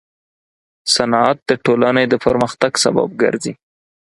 صنعت د ټولنې د پرمختګ سبب ګرځي.